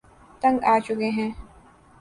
تنگ آچکے ہیں